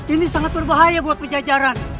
ini sangat berbahaya buat penjajaran